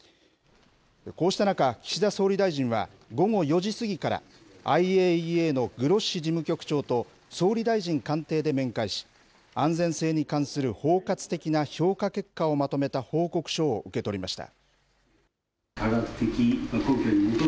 こうした中、岸田総理大臣は午後４時過ぎからＩＡＥＡのグロッシ事務局長と総理大臣官邸で面会し、安全性に関する包括的な評価結果をまとめた報告書を受け取りました。